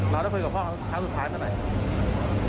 เราได้คุยกับพ่อครั้งสุดท้ายเมื่อไหร่